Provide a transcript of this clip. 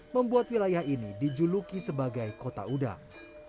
membuat wilayah ini dijuluki sebagai kota udang